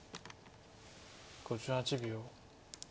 ５８秒。